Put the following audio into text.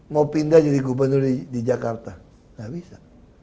mau pindah jadi gubernur di jakarta nggak bisa